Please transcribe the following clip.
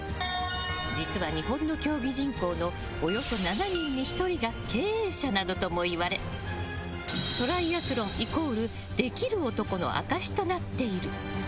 実は日本の競技人口のおよそ７人に１人が経営者などともいわれトライアスロン＝できる男の証しとなっている。